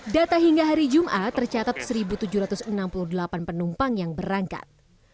data hingga hari jumat tercatat satu tujuh ratus enam puluh delapan penumpang yang berangkat